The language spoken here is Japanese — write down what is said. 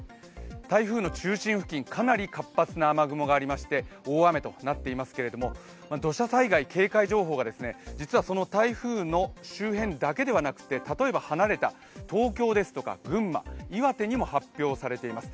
台風の中心付近、かなり活発な雨雲がありまして、大雨となっていますけども、土砂災害警戒情報が実はその台風の周辺だけではなくて例えば離れた東京ですとか群馬岩手にも発表されています。